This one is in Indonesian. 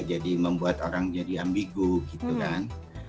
jadi membuat orang jadi ambigu gitu kan